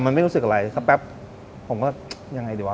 มันไม่รู้สึกอะไรสักแป๊บผมก็ยังไงดีวะ